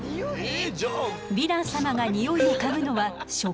ヴィラン様がニオイを嗅ぐのは触覚。